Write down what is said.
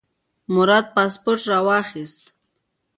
مراد پاسپورت راواخیست.